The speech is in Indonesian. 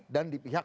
dan di pihak satu